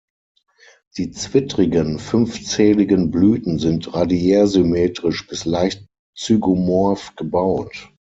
Die zwittrigen, fünfzähligen Blüten sind radiärsymmetrisch bis leicht zygomorph gebaut.